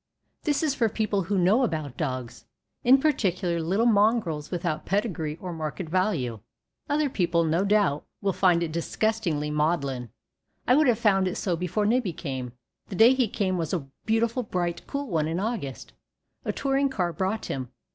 This is for people who know about dogs, in particular little mongrels without pedigree or market value. Other people, no doubt, will find it disgustingly maudlin. I would have found it so before Nibbie came. The day he came was a beautiful bright, cool one in an August. A touring car brought him.